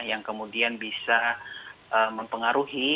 yang kemudian bisa mempengaruhi